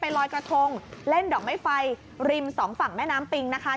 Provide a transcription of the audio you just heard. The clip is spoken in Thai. ลอยกระทงเล่นดอกไม้ไฟริมสองฝั่งแม่น้ำปิงนะคะ